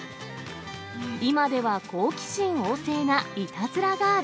今では好奇心旺盛ないたずらガール。